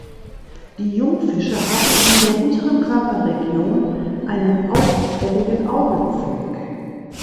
Die Jungfische haben in der hinteren Körperregion einen auffälligen Augenfleck.